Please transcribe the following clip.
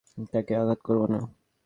তাকে আঘাত করবো না।